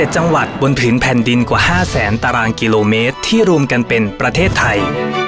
๗จังหวัดบนผืนแผ่นดินกว่า๕แสนตารางกิโลเมตรที่รวมกันเป็นประเทศไทย